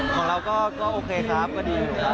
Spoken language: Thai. ของเราก็โอเคครับก็ดี